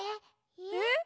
えっ？